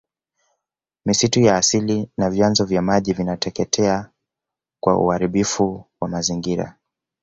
misitu ya asili na vyanzo vya maji vinateketea kwa uharibifu wa mazingira